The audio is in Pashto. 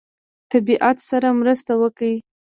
طبیعت سره مرسته وکړه.